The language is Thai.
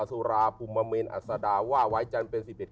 อสุราปุมเมนอัสดาว่าไว้จันทร์เป็นสิทธิ์